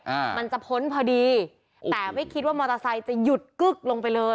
อ่ามันจะพ้นพอดีแต่ไม่คิดว่ามอเตอร์ไซค์จะหยุดกึ๊กลงไปเลย